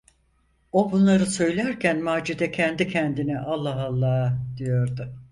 O bunları söylerken Macide kendi kendine: "Allah Allah!" diyordu.